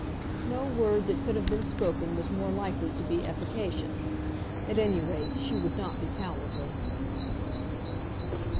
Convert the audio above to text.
No word that could have been spoken was more likely to be efficacious. At any rate, she would not be cowardly.